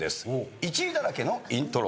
１位だらけのイントロ。